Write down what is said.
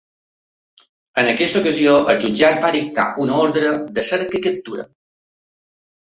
En aquesta ocasió, el jutjat va dictar una ordre de cerca i captura.